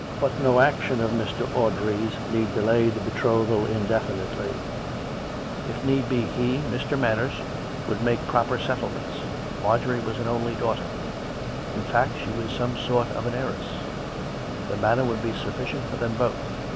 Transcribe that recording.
But no action of Mr. Audrey's need delay the betrothal indefinitely; if need were, he, Mr. Manners, would make proper settlements. Marjorie was an only daughter; in fact, she was in somp sort an heiress. The Manor would be sufficient for them both.